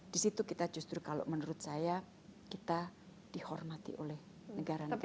di situ kita justru kalau menurut saya kita dihormati oleh negara negara